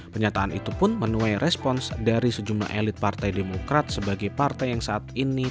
pernyataan itu pun menuai respons dari sejumlah elit partai demokrat sebagai partai yang saat ini